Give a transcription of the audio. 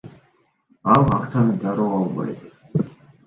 Ал акчаны дароо албайт.